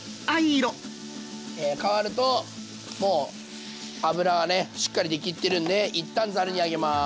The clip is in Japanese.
変わるともう脂はねしっかり出きってるんで一旦ざるに上げます。